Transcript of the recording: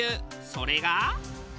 それが。